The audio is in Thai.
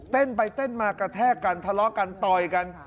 เต้นไปเต้นมากระแทกกันทะเลาะกันต่อยกัน